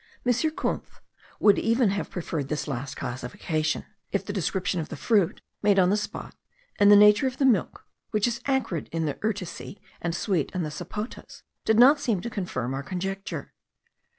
M. Kunth would even have preferred this last classification; if the description of the fruit, made on the spot, and the nature of the milk, which is acrid in the urticeae, and sweet in the sapotas, did not seem to confirm our conjecture.